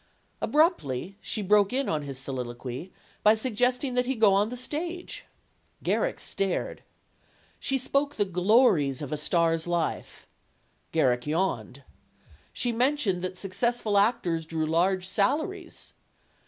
Abruptly, she broke in on his soliloquy by suggest ing that he go on the stage. Garrick stared. She spoke of the glories of a star's life. Garrick yawned. She mentioned that successful actors drew large sal aries.